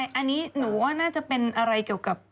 อันนี้หนูว่าน่าจะเป็นอะไรเกี่ยวกับ